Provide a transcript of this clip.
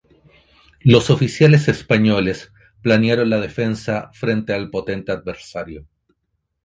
Los oficiales españoles planearon la defensa frente al potente adversario.